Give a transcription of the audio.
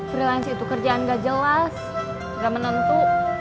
freelance itu kerjaan gak jelas gak menentu